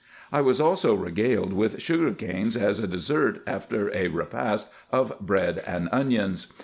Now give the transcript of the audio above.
I was also regaled with sugar canes as a dessert after a repast of bread and onions.